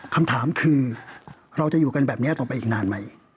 คำถามคือเราจะอยู่กันแบบนี้ต่อไปอีกนานไหม